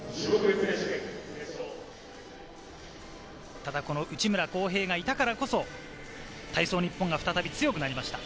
ただ内村航平がいたからこそ、体操ニッポンが再び強くなりました。